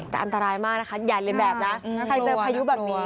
แต่อันตรายมากนะคะอย่าเรียนแบบนะใครเจอพายุแบบนี้